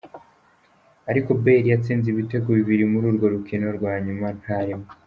Ariko Bale yatsinze ibitego bibiri muri urwo rukino rwa nyuma, ntarimwo.